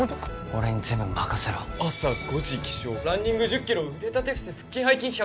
俺に全部任せろ朝５時起床ランニング１０キロ腕立て伏せ腹筋背筋１００回？